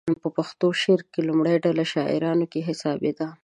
په پښتو شعر کې د لومړۍ ډلې شاعرانو کې حسابېده.